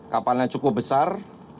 kapalnya cukup besar